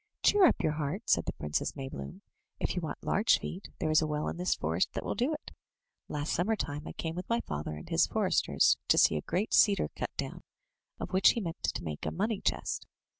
'' "Cheer up your heart," said the Princess Maybloom; "if you want large feet, there is a well in this forest that will do it. Last summer time, I came with my father and his foresters to see a great cedar cut down, of which he meant to make a money chest.